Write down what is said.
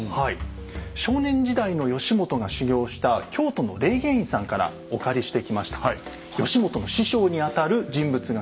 少年時代の義元が修行した京都の霊源院さんからお借りしてきました。